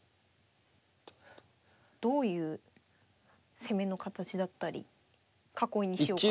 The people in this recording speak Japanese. どういう攻めの形だったり囲いにしようか。